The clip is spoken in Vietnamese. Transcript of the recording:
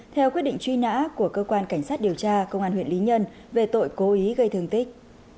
theo quyết định truy nã của cơ quan cảnh sát điều tra công an huyện lý nhân về tội cố ý gây thương tích